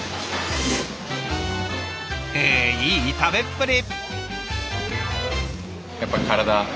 えいい食べっぷり！